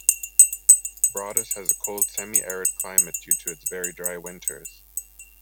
Broadus has a cold semi-arid climate due to its very dry winters.